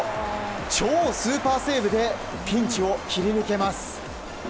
超スーパーセーブでピンチを切り抜けます。